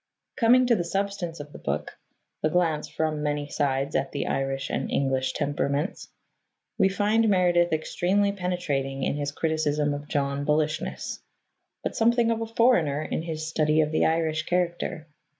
Coming to the substance of the book the glance from many sides at the Irish and English temperaments we find Meredith extremely penetrating in his criticism of John Bullishness, but something of a foreigner in his study of the Irish character.